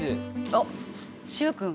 おっ習君！